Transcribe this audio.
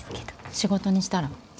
仕事にしたら？